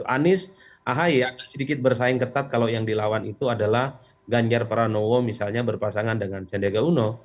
anies ahy agak sedikit bersaing ketat kalau yang dilawan itu adalah ganjar pranowo misalnya berpasangan dengan sendega uno